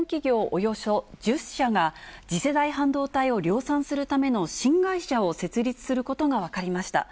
およそ１０社が、次世代半導体を量産するための新会社を設立することが分かりました。